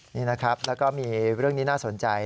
นี่นะครับแล้วก็มีเรื่องนี้น่าสนใจ